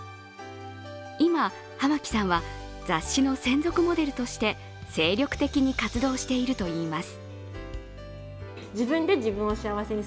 今、浜木さんは雑誌の専属モデルとして精力的に活動しているといいます。